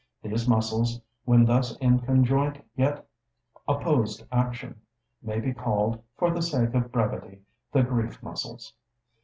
These muscles, when thus in conjoint yet opposed action, may be called, for the sake of brevity, the grief muscles.